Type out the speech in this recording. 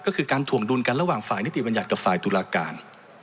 ก็คือการถวงดุลกันระหว่างฝ่ายนิติบัญญัติกับฝ่ายตุลาการ